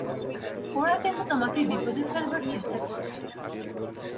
ওরা কিন্তু তোমাকে বিপদে ফেলবার চেষ্টা করবে।